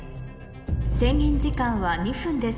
制限時間は２分です